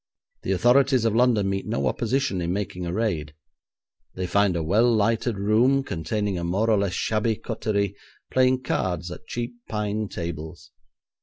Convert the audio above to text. The authorities of London meet no opposition in making a raid. They find a well lighted room containing a more or less shabby coterie playing cards at cheap pine tables.